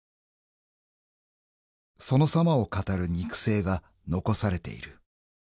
［そのさまを語る肉声が残されている］